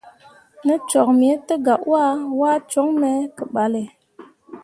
Ne cok me te gah wah, waa coŋ me ke balle.